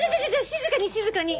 静かに静かに！